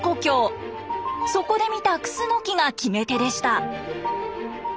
そこで見たクスノキが決め手でした。